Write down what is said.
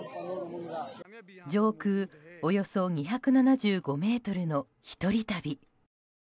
上空およそ２７５ｍの一人旅。